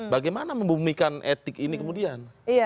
bagaimana membumikan etik ini kemudian